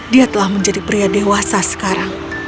dia telah menjadi pria dewasa sekarang